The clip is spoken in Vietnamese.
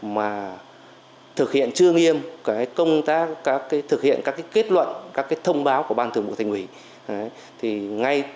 mà thực hiện chương nghiêm thực hiện các kết luận các thông báo của ban thượng bộ thành ủy